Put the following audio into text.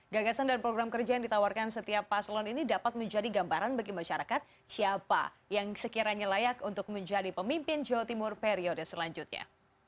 gagasan dan program kerja yang ditawarkan setiap paslon ini dapat menjadi gambaran bagi masyarakat siapa yang sekiranya layak untuk menjadi pemimpin jawa timur periode selanjutnya